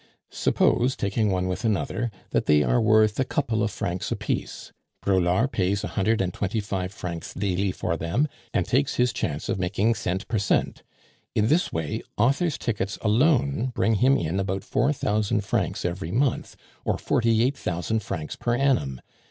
Suppose, taking one with another, that they are worth a couple of francs apiece, Braulard pays a hundred and twenty five francs daily for them, and takes his chance of making cent per cent. In this way authors' tickets alone bring him in about four thousand francs every month, or forty eight thousand francs per annum.